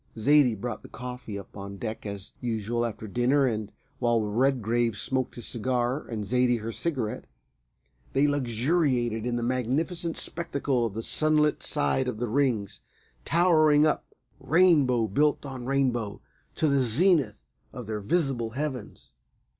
Zaidie brought the coffee up on deck as usual after dinner, and, while Redgrave smoked his cigar and Zaidie her cigarette, they luxuriated in the magnificent spectacle of the sunlit side of the Rings towering up, rainbow built on rainbow, to the zenith of their visible heavens.